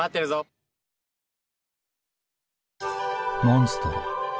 モンストロ。